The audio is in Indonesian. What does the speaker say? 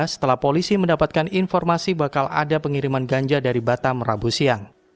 setelah polisi mendapatkan informasi bakal ada pengiriman ganja dari batam rabu siang